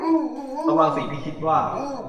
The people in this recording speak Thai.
ระวังสิ่งที่คิดว่า